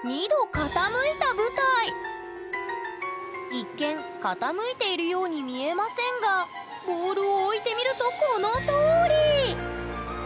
一見傾いているように見えませんがボールを置いてみるとこのとおり！